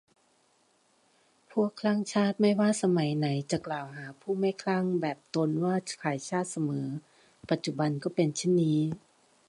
พวกคลั่งชาติไม่ว่าสมัยไหนจะกล่าวหาผู้ไม่คลั่งแบบตนว่าขายชาติเสมอ ปัจจุบันก็เป็นเช่นนี้